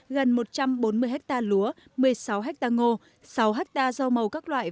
gần một trăm bốn mươi ha lúa một mươi sáu ha ngô sáu ha rau màu các loại